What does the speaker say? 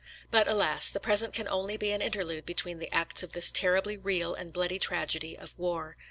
But alas! the present can only be an interlude between the acts of this terribly real and bloody tragedy of war.